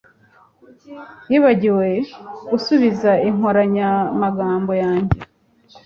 Yibagiwe gusubiza inkoranyamagambo yanjye